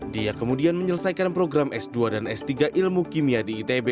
dia kemudian menyelesaikan program s dua dan s tiga ilmu kimia di itb